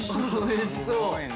おいしそう。